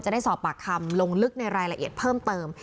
ได้สอบปากคำลงลึกในรายละเอียดเพิ่มเติม